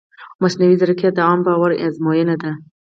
مصنوعي ځیرکتیا د عامه باور ازموینه ده.